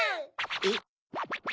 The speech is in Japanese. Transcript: えっ？